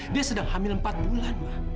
dia sedang hamil empat bulan mah